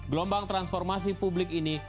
gelombang transformasi publik ini